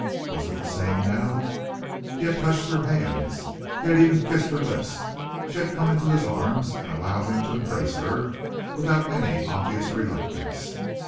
Was it the same now? He had touched her hands. He had even kissed her lips. She had come into his arms and allowed him to embrace her, without any obvious reluctance.